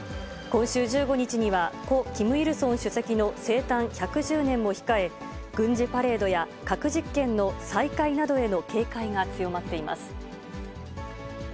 今週１５日には、故・キム・イルソン主席の生誕１１０年も控え、軍事パレードや核実験の再開などへの警戒が強まっています。